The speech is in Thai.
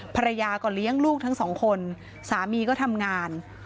ภรรยาก็เลี้ยงลูกทั้งสองคนสามีก็ทำงาน